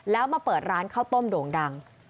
แล้วมาเปิดร้านข้าวต้มโด่งดัง